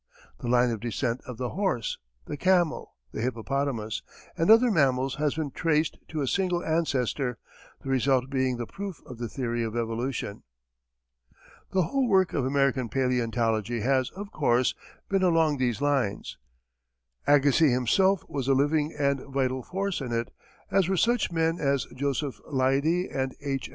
The line of descent of the horse, the camel, the hippopotamus and other mammals has been traced to a single ancestor, the result being the proof of the theory of evolution. The whole work of American paleontology has, of course, been along these lines. Agassiz himself was a living and vital force in it, as were such men as Joseph Leidy and H.